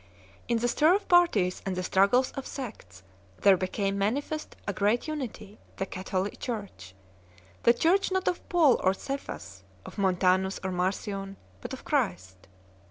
In the stir of parties and the struggles of sects there became manifest a great unity, the Catholic Church 1 ; the Church not of Paul or Cephas, of Montanus or Marcion, but of Christ.